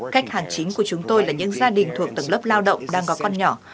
cách hàng chính của chúng tôi là những gia đình thuộc tầng lớp lao động đang có con nhỏ